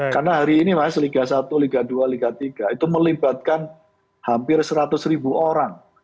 karena hari ini mas liga satu liga dua liga tiga itu melibatkan hampir seratus ribu orang